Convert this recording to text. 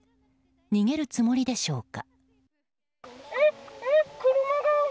逃げるつもりでしょうか。